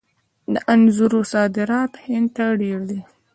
د انځرو صادرات هند ته ډیر دي.